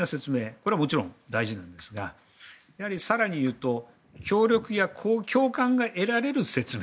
これはもちろん大事なんですが更に言うと協力や共感が得られる説明。